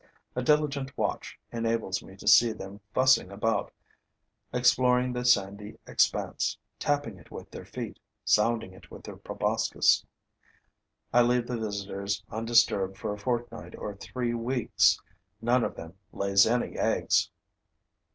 A diligent watch enables me to see them fussing about, exploring the sandy expanse, tapping it with their feet, sounding it with their proboscis. I leave the visitors undisturbed for a fortnight or three weeks. None of them lays any eggs.